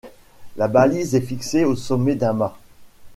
La balise est fixée au sommet d'un mât.